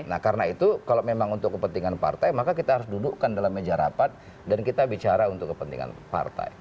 nah karena itu kalau memang untuk kepentingan partai maka kita harus dudukkan dalam meja rapat dan kita bicara untuk kepentingan partai